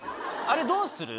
あれどうする？